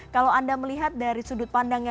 kalau anda melihat dari sudut pandangnya